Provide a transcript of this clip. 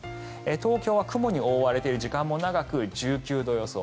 東京は雲に覆われている時間も長く１９度予想。